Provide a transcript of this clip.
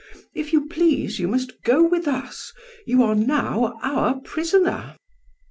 If you please you must go with us, you are now our prisoner."